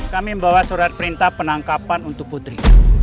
kami membawa surat perintah penangkapan untuk putri